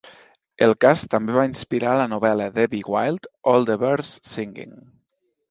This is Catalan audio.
El cas també va inspirar la novel·la d'Evie Wyld 'All The Birds, Singing'.